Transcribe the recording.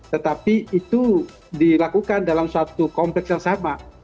tetapi itu dilakukan dalam suatu kompleks yang sama